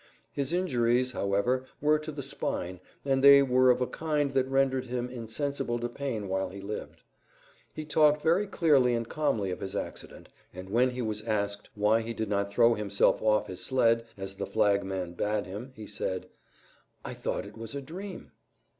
His injuries, however, were to the spine, and they were of a kind that rendered him insensible to pain while he lived. He talked very clearly and calmly of his accident, and when he was asked why he did not throw himself off his sled, as the flag man bade him, he said: "_I thought it was a dream.